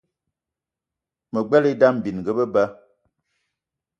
Me gbelé idam bininga be ba.